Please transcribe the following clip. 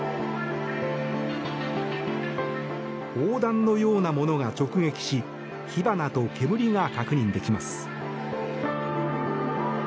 砲弾のようなものが直撃し火花と煙が確認できます。